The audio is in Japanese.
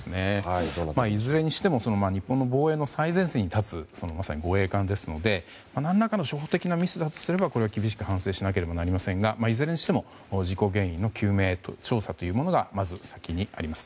いずれにしても日本の防衛の最前線に立つまさに護衛艦ですので何らかの初歩的なミスだとすればこれは厳しく反省しなければいけませんがいずれにしても事故原因の究明、調査がまず先にあります。